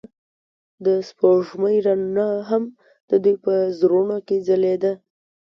د سپوږمۍ رڼا هم د دوی په زړونو کې ځلېده.